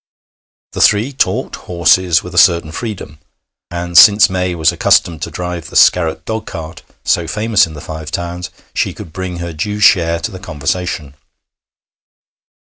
The three talked horses with a certain freedom, and since May was accustomed to drive the Scarratt dogcart, so famous in the Five Towns, she could bring her due share to the conversation.